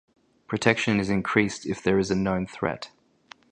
Protection is increased if there is a known threat.